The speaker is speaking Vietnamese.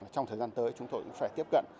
trong thời gian tới chúng tôi cũng phải tiếp cận